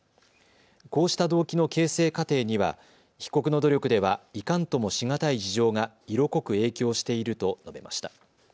こうした動機の形成過程には被告の努力ではいかんともし難い事情が色濃く影響していると述べました。